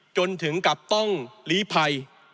จนถึงกับต้องลีภัย